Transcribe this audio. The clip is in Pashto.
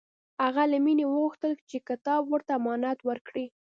هغه له مینې وغوښتل چې کتاب ورته امانت ورکړي